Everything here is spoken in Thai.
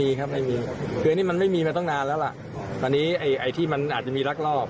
ก็พยายามสแกนให้หมดอ่ะนะเพื่อนำเรียนให้ทางส่วนกลาง